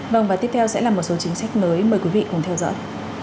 vâng và tiếp theo sẽ là một số chính sách mới mời quý vị cùng theo dõi